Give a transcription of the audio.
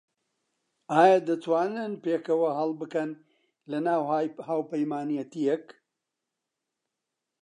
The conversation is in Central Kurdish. ئایا دەتوانن پێکەوە هەڵبکەن لەناو هاوپەیمانێتییەک؟